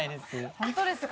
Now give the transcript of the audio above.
本当ですか？